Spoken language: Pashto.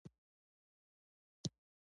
غرشین په پښتنو کښي يو ستانه قوم دﺉ.